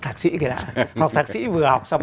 thạc sĩ kìa học thạc sĩ vừa học xong